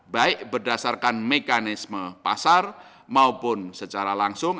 baik berdasarkan mekanisme pasar maupun secara langsung